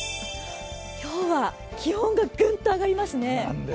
今日は気温がぐんと上がりますね。